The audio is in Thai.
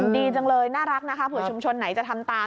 ดีจังเลยน่ารักนะคะเผื่อชุมชนไหนจะทำตาม